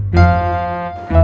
ni terkena kekuatan